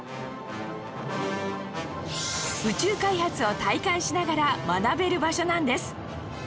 宇宙開発を体感しながら学べる場所なんです